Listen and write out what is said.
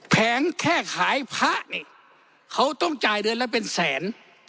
แผงแค่ขายพระนี่เขาต้องจ่ายเดือนละเป็นแสน